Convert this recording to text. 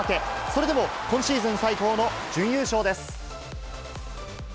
それでも今シーズン最高の準優勝です。